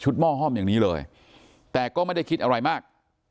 หม้อห้อมอย่างนี้เลยแต่ก็ไม่ได้คิดอะไรมาก